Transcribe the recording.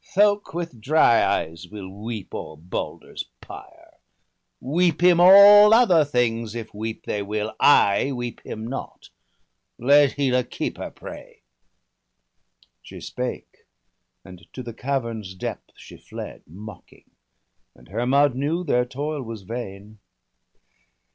Thok with dry eyes will weep o'er Balder's pyre. Weep him all other things, if weep they will — I weep him not ! let Hela keep her prey.' She spake, and to the cavern's depth she fled, Mocking; and Hermod knew their toil was vain.